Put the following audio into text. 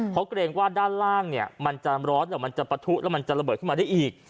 เพราะเกรงว่าด้านล่างเนี่ยมันจะปะทุแล้วมันจะระเบิดขึ้นมาได้อีก